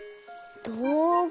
どうぐ？